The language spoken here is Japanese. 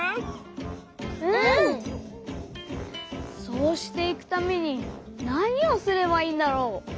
そうしていくためになにをすればいいんだろう？